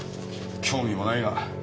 興味もないが。